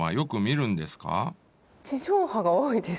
地上波が多いです。